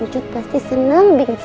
jut pasti seneng bingit